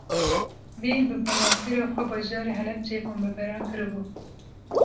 Wî, bi balafira xwe bajarê Helebceyê bombebaran kiribû